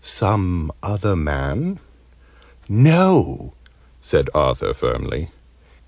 Some other man " "No," said Arthur firmly.